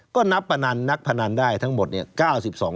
ก็นับพนันนักพนันได้ทั้งหมดเนี่ย